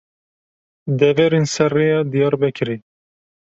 Deverên Ser Rêya Diyarbekirê